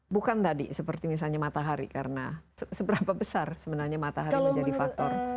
bukan tadi seperti misalnya matahari karena seberapa besar sebenarnya matahari menjadi faktor